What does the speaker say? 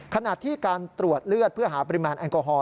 ขณะที่การตรวจเลือดเพื่อหาปริมาณแอลกอฮอล